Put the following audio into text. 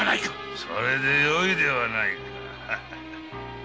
それでよいではないか